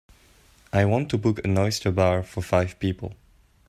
I want to book an oyster bar for five people.